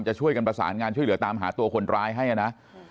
จะช่วยกันประสานงานช่วยเหลือตามหาตัวคนร้ายให้นะ